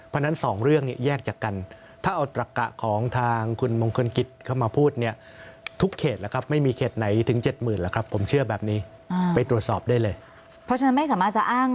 เพราะฉะนั้นสองเรื่องเนี่ยแยกจากกัน